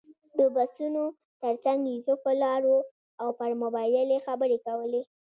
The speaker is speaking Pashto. د بسونو تر څنګ یوسف ولاړ و او پر موبایل یې خبرې کولې.